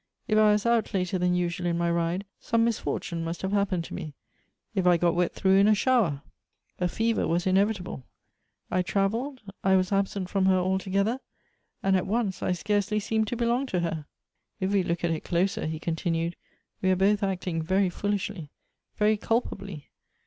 If I was out later than usual in my ride, some misfortune must have hap pened to me. If I got wet through in a shower, a fever was inevit.able. I travelled ; I was absent from her alto gether ; and, at once, I scarcely seemed to belong to her. If we look at it closer," he continued, " we are both act ing very foolishly, very culpably.